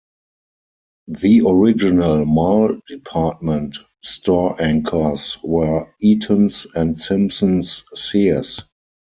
The original mall department store anchors were Eaton's and Simpsons Sears.